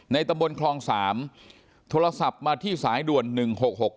ตำบลคลอง๓โทรศัพท์มาที่สายด่วน๑๖๖๙